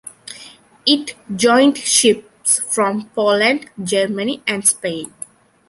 It joined ships from Poland, Germany and Spain.